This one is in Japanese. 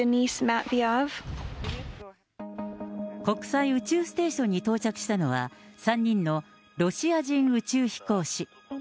国際宇宙ステーションに到着したのは、３人のロシア人宇宙飛行士。